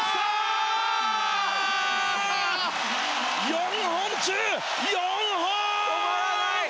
４本中４本！